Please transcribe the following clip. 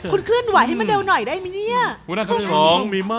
คุณเคลื่อนไหวให้มันเร็วหน่อยได้ไหมเนี่ย